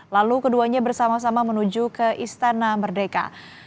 lalu keduanya bersama sama menuju ke istana merdeka